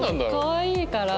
かわいいから。